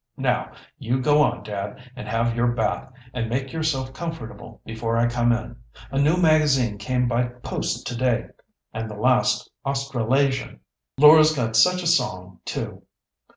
Now, you go on, dad, and have your bath, and make yourself comfortable before I come in. A new magazine came by post to day, and the last Australasian. Laura's got such a song too.